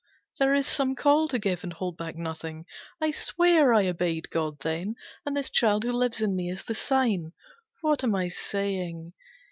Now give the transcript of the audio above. There is some call to give and hold back nothing. I swear I obeyed God then, and this child who lives in me is the sign. What am I saying?